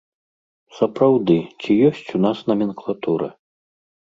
Сапраўды, ці ёсць у нас наменклатура?